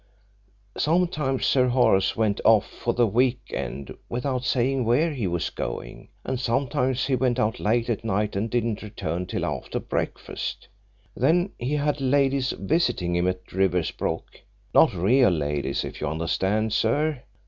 Sometimes Sir Horace went off for the week end without saying where he was going and sometimes he went out late at night and didn't return till after breakfast. Then he had ladies visiting him at Riversbrook not real ladies, if you understand, sir.